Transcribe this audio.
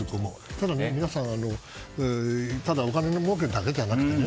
ただ、皆さんお金もうけだけじゃなくてね。